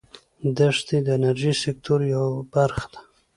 دښتې د انرژۍ سکتور یوه برخه ده.